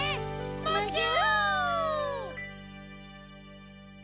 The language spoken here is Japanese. むぎゅ！